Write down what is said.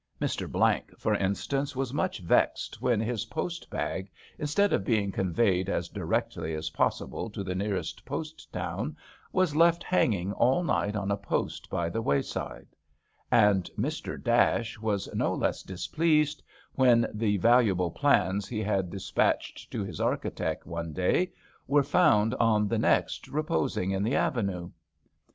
Mr. Blank, for instance, was much vexed when his post bag, instead of being conveyed as direcdy as possible to the nearest post town, was left hanging all night on a post by the wayside ; and Mr. Dash, was no less displeased when the valuable plans he had despatched to his architect one day were 29 HAMPSHIRE VIGNETTES found on the next reposing in the avenue.